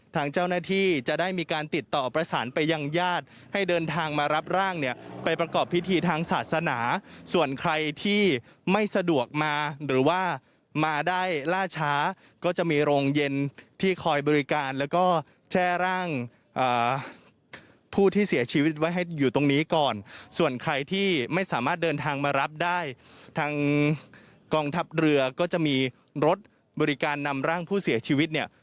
ทางเจ้าหน้าที่จะได้มีการติดต่อประสานไปยังญาติให้เดินทางมารับร่างเนี่ยไปประกอบพิธีทางศาสนาส่วนใครที่ไม่สะดวกมาหรือว่ามาได้ล่าช้าก็จะมีโรงเย็นที่คอยบริการแล้วก็แช่ร่างผู้ที่เสียชีวิตไว้ให้อยู่ตรงนี้ก่อนส่วนใครที่ไม่สามารถเดินทางมารับได้ทางกองทัพเรือก็จะมีรถบริการนำร่างผู้เสียชีวิตเนี่ย